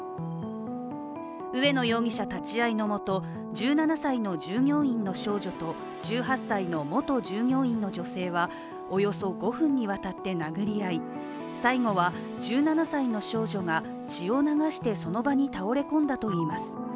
上野容疑者立ち会いのもと、１７歳の従業員の少女と１８歳の元従業員の女性はおよそ５分にわたって殴り合い最後は１７歳の少女が血を流して、その場に倒れ込んだといいます。